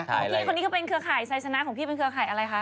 พี่คนนี้ก็เป็นเครือข่ายไซสนะของพี่เป็นเครือข่ายอะไรคะ